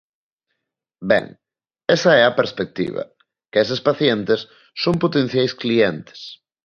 Ben, esa é a perspectiva, que eses pacientes son potenciais clientes.